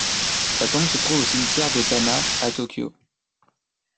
Sa tombe se trouve au cimetière de Tama, à Tokyo.